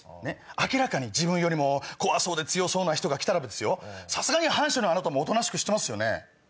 明らかに自分よりも怖そうで強そうな人が来たらさすがに反社のあなたもおとなしくしてますよね？